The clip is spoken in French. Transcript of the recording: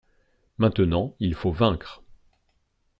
Maintenant il faut vaincre.